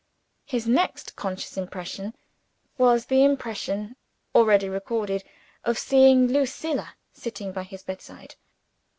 His next conscious impression was the impression, already recorded, of seeing Lucilla sitting by his bedside.